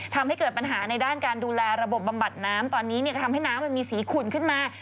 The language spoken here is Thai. ทำให้เกิดปัญหาในด้านการดูแลระบบบำบัดน้ำตอนนี้ก็ทำให้น้ำมันมีสีขุ่นขึ้นมา